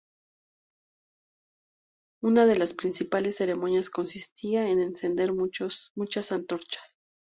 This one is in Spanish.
Una de las principales ceremonias consistía en encender muchas antorchas.